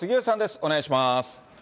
お願いします。